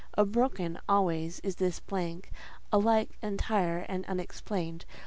Unbroken always is this blank; alike entire and unexplained.